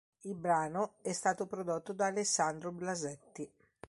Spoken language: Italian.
Il brano è stato prodotto da Alessandro Blasetti.